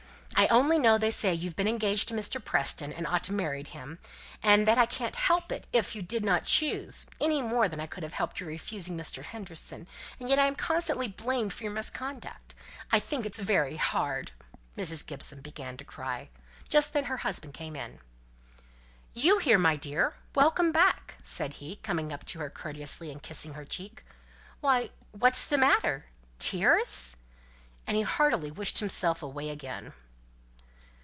I only know that they say you've been engaged to Mr. Preston, and ought to have married him, and that I can't help it, if you did not choose, any more than I could have helped your refusing Mr. Henderson; and yet I am constantly blamed for your misconduct. I think it's very hard." Mrs. Gibson began to cry. Just then her husband came in. "You here, my dear! Welcome back," said he, coming up to her courteously, and kissing her cheek. "Why, what's the matter? Tears?" and he heartily wished himself away again.